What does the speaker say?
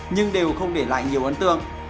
nhưng đều không để lại nhiều ấn tượng